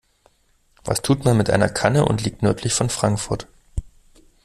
Was tut man mit einer Kanne und liegt nördlich von Frankfurt?